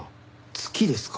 月ですか？